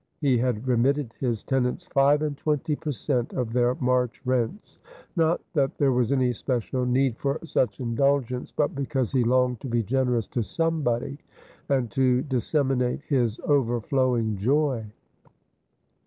He had remitted his tenants five and twenty per cent, of their March rents ; not that there was any special need for such indulgence, but because he longed to be generous to somebody, and to disseminate his overflowing joy.